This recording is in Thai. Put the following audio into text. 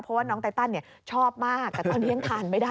เพราะว่าน้องไตตันชอบมากแต่ตอนนี้ยังทานไม่ได้